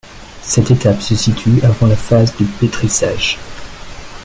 Cette étape se situe avant la phase de pétrissage.